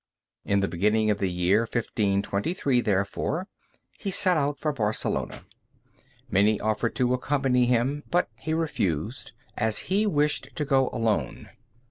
In the beginning of the year 1523, therefore, he set out for Barcelona. Many offered to accompany him, but he refused, as he wished to go alone.